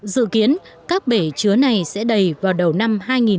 dự kiến các bể chứa này sẽ đầy vào đầu năm hai nghìn hai mươi